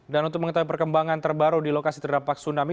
dan untuk mengetahui perkembangan terbaru di lokasi terdampak tsunami